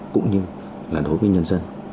cũng như là đối với nhân dân